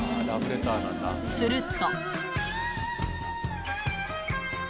すると。